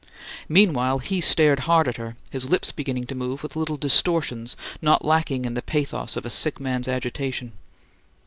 Meanwhile, he stared hard at her, his lips beginning to move with little distortions not lacking in the pathos of a sick man's agitation.